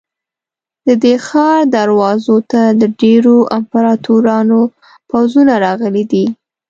د دې ښار دروازو ته د ډېرو امپراتورانو پوځونه راغلي دي.